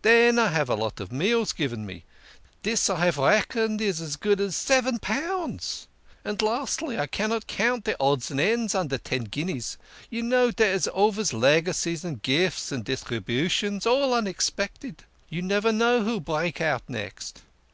Den I have a lot o' meals given me dis, I have reckoned, is as good as seven pounds. And, lastly, I cannot count de odds and ends under ten guineas. You know dere are alvays legacies, gifts, distributions all unexpected. You never know who'll break out next."